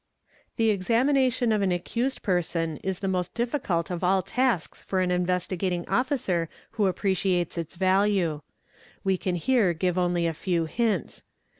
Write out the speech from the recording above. .| The examination of an accused person is the most difficult of all tasks for an Investigating Officer who appreciates its value. We can here give only a few hints.